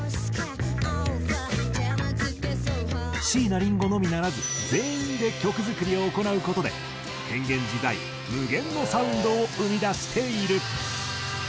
椎名林檎のみならず全員で曲作りを行う事で変幻自在無限のサウンドを生み出している。